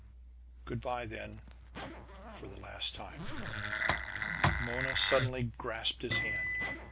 "Good by, then, for the last time!" Mona suddenly grasped his hand.